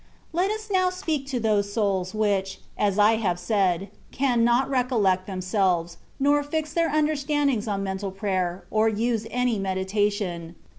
Let us now speak to those souls, which (as I have said) cannot recollect themselves, nor fix their understandings on mental prayer, or use any meditation.